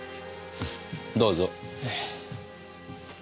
どうぞ。